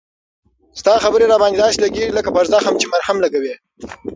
ستا خبري را باندي داسی لګیږي لکه پر زخم چې مرهم لګوې